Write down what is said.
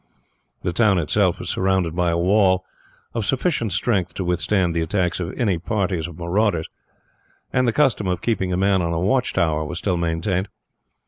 The town itself was surrounded by a wall, of sufficient strength to withstand the attacks of any parties of marauders; and the custom of keeping a man on a watch tower was still maintained.